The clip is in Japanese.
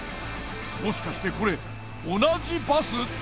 もしかしてこれ同じバス？